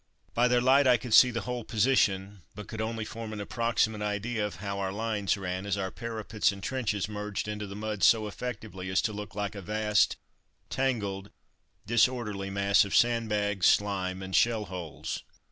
By their light I could see the whole position, but could only form an approximate idea of how our lines ran, as our parapets and trenches merged into the mud so effectively as to look like a vast, tangled, disorderly mass of sandbags, slime and shell holes.